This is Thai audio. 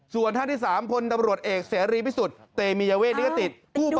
ส่วนท่านที่สามคนดำรวจเอกเสียรีพิสุทธิ์เตมีเยาวะเนื้อติด